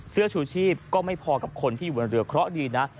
เสื้อชูชีพก็ไม่พอกับคนที่อยู่บนเรือเคราะห์ดีนะ